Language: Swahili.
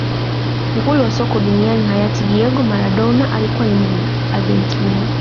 nguli wa soka duniani hayati diego maradona alikuwa ni muargentina